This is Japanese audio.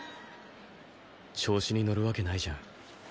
調子に乗るわけないじゃん